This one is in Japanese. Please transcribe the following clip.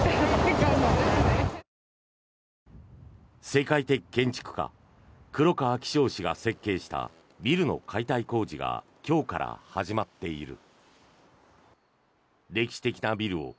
世界的建築家黒川紀章氏が設計したビルの解体工事が今日から始まっている。